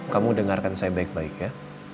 kamu dengarkan saya baik baik ya